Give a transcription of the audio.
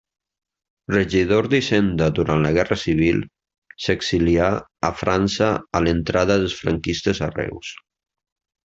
Regidor d'hisenda durant la guerra civil, s'exilià a França a l'entrada dels franquistes a Reus.